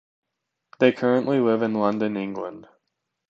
They currently live in London, England.